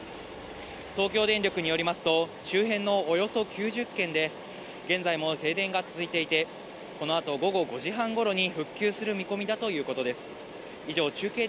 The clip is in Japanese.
東京電力によりますと、周辺のおよそ９０軒で現在も停電が続いていて、このあと午後５時半ごろに復旧する見込みだということです。